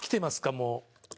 もう。